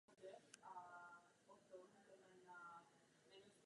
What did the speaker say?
Od té doby se rozdělení a počet tříd několikrát změnil.